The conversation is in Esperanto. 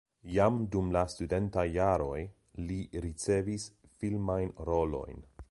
Jam dum la studentaj jaroj li ricevis filmajn rolojn.